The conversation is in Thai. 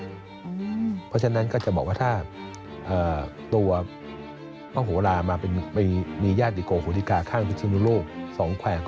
เพราะฉะนั้นก็จะบอกว่าถ้าตัวพระโหลามามีญาติโกโหดิกาข้างพิศนุโลก๒แขวง